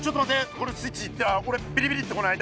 これスイッチいったらおれビリビリってこない？